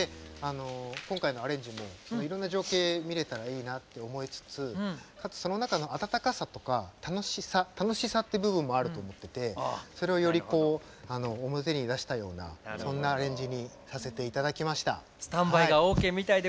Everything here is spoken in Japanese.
今回のアレンジもいろんな情景がいいなって思いつつかつ、その中のあたたかさとか楽しさって部分もあると思っててそれをより表に出したようなそんなアレンジにさせていただきました。